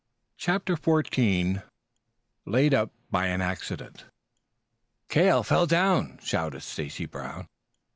CHAPTER XIV LAID UP BY AN ACCIDENT "Cale fell down!" shouted Stacy Brown.